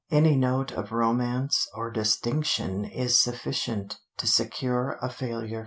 Any note of romance or distinction is sufficient to secure a failure.